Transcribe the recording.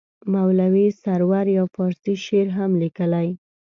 مولوي سرور یو فارسي شعر هم لیکلی.